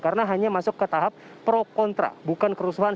karena hanya masuk ke tahap pro kontra bukan kerusuhan